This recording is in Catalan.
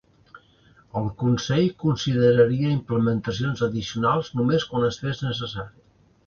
El Consell consideraria implementacions addicionals només quan es fes necessari.